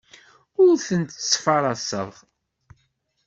Ur tent-ttfaraseɣ.